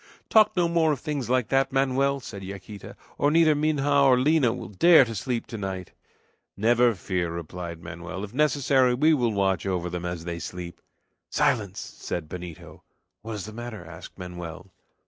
"Talk no more of things like that, Manoel," said Yaquita, "or neither Minha nor Lina will dare sleep to night." "Never fear!" replied Manoel; "if necessary we will watch over them as they sleep." "Silence!" said Benito. "What is the matter?" asked Manoel.